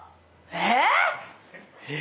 えっ⁉